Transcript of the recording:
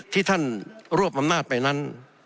ที่ท่านรวบอำนาจไปนั้น